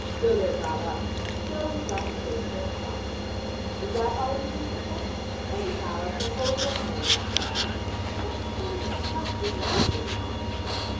Dodo got up. "So we've got to wait for a shock," she said. "Is that all you can suggest? Anyhow, I shall hold your hand if a shock comes. What sort of a shock would be good for me, do you think?